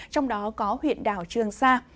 trong đó có huyện đảo trường sa